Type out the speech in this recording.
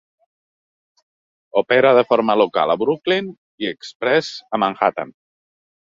Opera de forma local a Brooklyn i exprés a Manhattan.